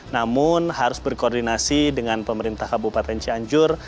namun harus berkoordinasi dengan pemerintah kabupaten cianjur